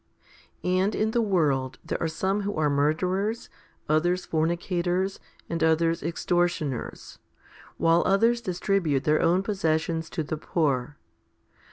4. And in the world there are some who are murderers, others fornicators, and others extortioners, while others distribute their own possessions to the poor.